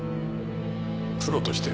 プロとして？